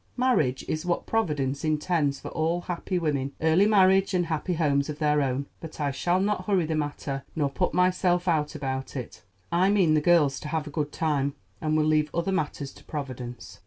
"Marriage is what Providence intends for all happy women, early marriage and happy homes of their own. But I shall not hurry the matter nor put myself out about it. I mean the girls to have a good time, and will leave other matters to Providence."